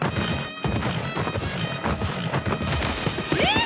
えっ！？